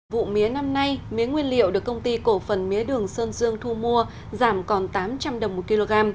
vụ mía năm nay mía nguyên liệu được công ty cổ phần mía đường sơn dương thu mua giảm còn tám trăm linh đồng một kg